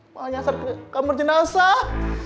mau nyasar ke kamar jenazah